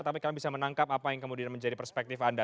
tapi kami bisa menangkap apa yang kemudian menjadi perspektif anda